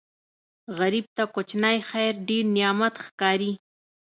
غریب ته کوچنی خیر ډېر نعمت ښکاري